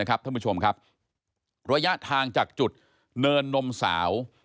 ระยะทางจากจุดเนินนมสาว